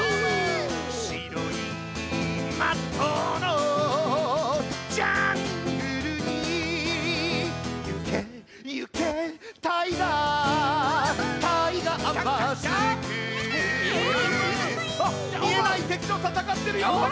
しろいマットのジャングルにゆけゆけタイガータイガー・マスクあっみえないてきとたたかってるよ。